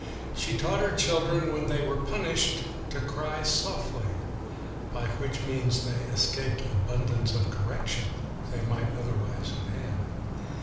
She taught her children, when they were pun ished, to cry softly, " by which means they escaped abundance of correction they might otherwise have had."